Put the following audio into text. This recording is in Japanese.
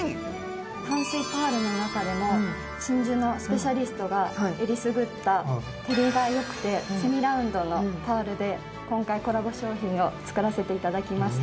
淡水パールの中でも真珠のスペシャリストがえりすぐった照りが良くてセミラウンドのパールで今回コラボ商品を作らせて頂きました。